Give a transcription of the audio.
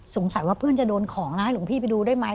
สงสัยว่าเพื่อนจะโดนของนะลุงพี่ไปดูได้ไหม